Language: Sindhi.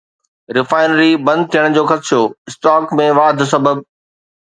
ريفائنري بند ٿيڻ جو خدشو، اسٽاڪ ۾ واڌ سبب